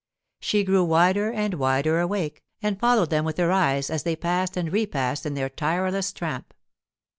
She grew wider and wider awake, and followed them with her eyes as they passed and repassed in their tireless tramp.